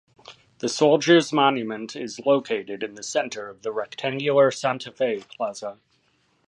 The Soldiers Monument is located in the center of the rectangular Santa Fe plaza.